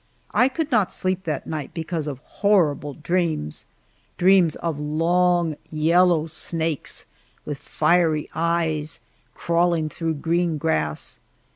I could not sleep that night because of horrible dreams dreams of long, yellow snakes with fiery eyes crawling through green grass.